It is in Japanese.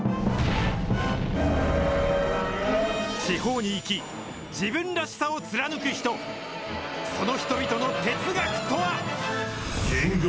地方に生き、自分らしさを貫く人、その人々の哲学とは。